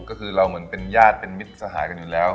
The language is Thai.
ก็คือเราเหมือนเป็นญาติเป็นมิตรสหายกันอยู่แล้ว